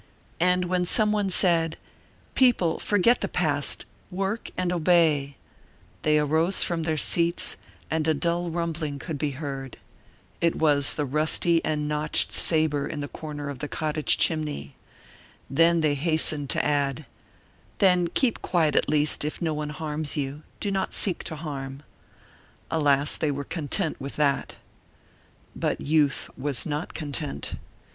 And when some one said: "People, forget the past, work and obey," they arose from their seats and a dull rumbling could be heard. It was the rusty and notched saber in the corner of the cottage chimney. Then they hastened to add: "Then keep quiet, at least; if no one harms you, do not seek to harm." Alas! they were content with that. But youth was not content.